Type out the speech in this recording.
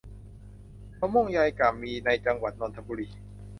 มะม่วงยายก่ำ มีในจังหวัดนนทบุรี